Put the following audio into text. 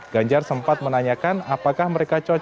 ganjar sempat menanyakan apakah mereka cocok